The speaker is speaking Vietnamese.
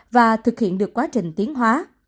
và thực hiện được quá trình tiến hóa